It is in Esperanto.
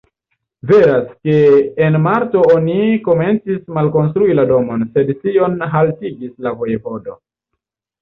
Veras, ke en marto oni komencis malkonstrui la domon, sed tion haltigis la vojevodo.